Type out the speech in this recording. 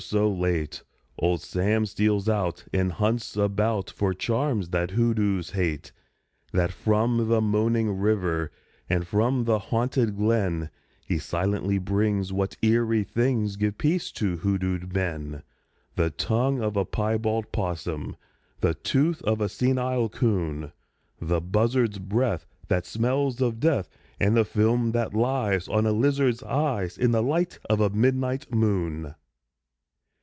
so late, Old Sam steals out And hunts about For charms that hoodoos hate! That from the moaning river And from the haunted glen He silently brings what eerie things Give peace to hoodooed men: _The tongue of a piebald 'possum, The tooth of a senile 'coon, The buzzard's breath that smells of death, And the film that lies On a lizard's eyes In the light of a midnight moon!